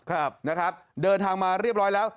ของลุงพลก่อนนะครับเดินทางมาเรียบร้อยแล้ว